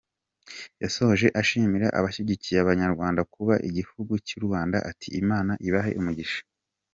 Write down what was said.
Yashoje ashimira abashyigikiye n’Abanyarwanda kubaka igihuga cy’Urwanda ati : “Imana ibahe umugisha”.